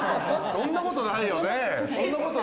そんなことないよ。